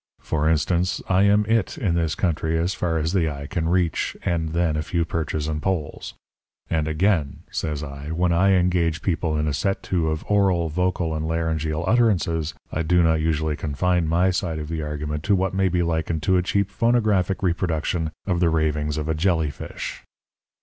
For instance, I am It in this country as far as the eye can reach, and then a few perches and poles. And again,' says I, 'when I engage people in a set to of oral, vocal, and laryngeal utterances, I do not usually confine my side of the argument to what may be likened to a cheap phonographic reproduction of the ravings of a jellyfish.'